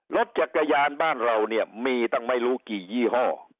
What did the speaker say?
รถจักรยานบ้านเราเนี่ยมีตั้งไม่รู้กี่ยี่ห้อ